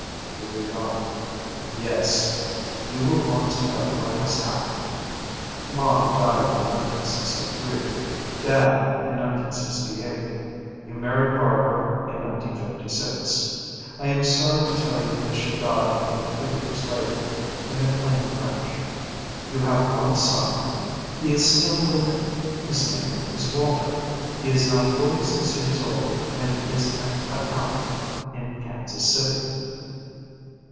You read on: "Yes, you will want to know what has happened. Mom died in 1963, Dad in 1968. You married Barbara in 1956. I am sorry to tell you that she died only three years later, in a plane crash. You have one son. He is still living; his name is Walter; he is now forty six years old and is an accountant in Kansas City."